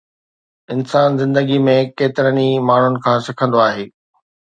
انسان زندگيءَ ۾ ڪيترن ئي ماڻهن کان سکندو آهي